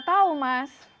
enggak tahu mas